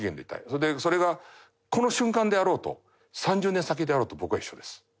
それでそれがこの瞬間であろうと３０年先であろうと僕は一緒です。